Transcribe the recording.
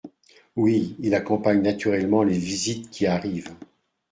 Oui, il accompagne naturellement les visites qui arrivent.